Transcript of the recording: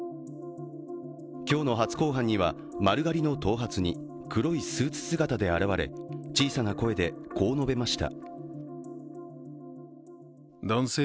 強の初公判には、丸刈りの頭髪に黒いスーツ姿で現れ、小さな声でこう述べました。